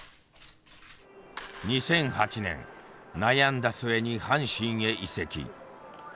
２００８年悩んだ末に阪神へ移籍。